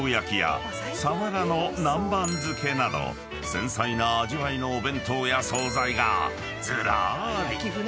［繊細な味わいのお弁当や総菜がずらーり］